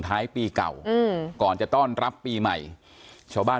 ท้ายปีเก่าอืมก่อนจะต้อนรับปีใหม่ชาวบ้าน